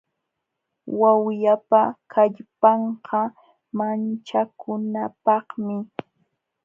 Wawyapa kallpanqa manchakunapaqmi.